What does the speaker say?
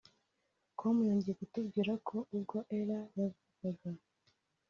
com yongeye kutubwira ko ubwo Ella yavukaga